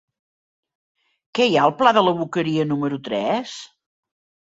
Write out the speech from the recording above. Què hi ha al pla de la Boqueria número tres?